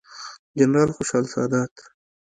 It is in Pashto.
جنرال خوشحال سادات،